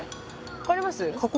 分かります？